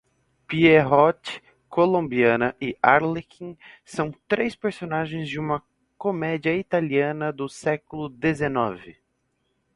Pierrot, Colombina e Arlequim são três personagens de uma comédia italiana do século dezenove.